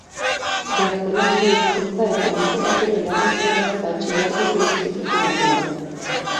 Gaztelania Hizkuntza eta Literatura irakaslea da batxilergoko institutu batean.